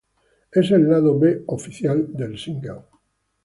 Es el lado B "oficial" del single.